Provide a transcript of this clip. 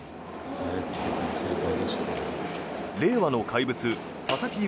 令和の怪物・佐々木朗